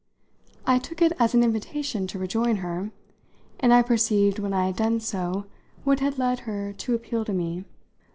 I took it as an invitation to rejoin her, and I perceived when I had done so what had led her to appeal to me.